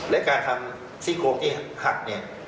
และการทำซี่โครงเองหักเนี่ย